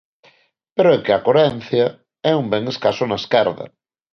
Pero é que a coherencia é un ben escaso na esquerda.